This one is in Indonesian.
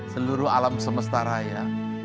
seluruh alam semesta raya